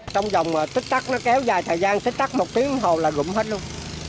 trong vòng tích tắc nó kéo dài thời gian tích tắc một tiếng đồng hồ là gụm hết luôn